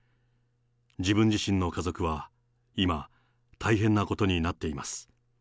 自分自身の家族は今、大変なことになっています。